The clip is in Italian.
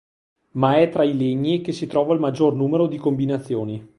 Ma è tra i legni che si trova il maggior numero di combinazioni.